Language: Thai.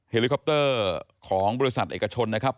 ลิคอปเตอร์ของบริษัทเอกชนนะครับ